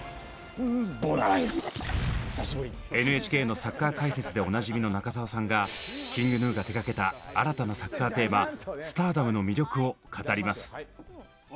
ＮＨＫのサッカー解説でおなじみの中澤さんがＫｉｎｇＧｎｕが手がけた新たなサッカーテーマ「Ｓｔａｒｄｏｍ」の魅力を語ります！